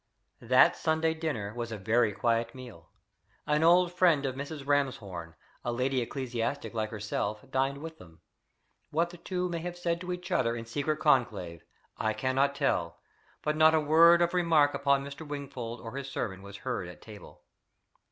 That Sunday dinner was a very quiet meal. An old friend of Mrs. Ramshorn, a lady ecclesiastic like herself, dined with them; what the two may have said to each other in secret conclave, I cannot tell, but not a word of remark upon Mr. Wingfold or his sermon was heard at table.